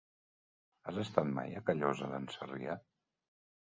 Has estat mai a Callosa d'en Sarrià?